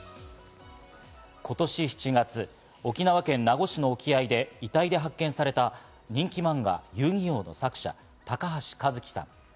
今年７月、沖縄県名護市の沖合で遺体で発見された人気漫画『遊☆戯☆王』の作者・高橋和希さん。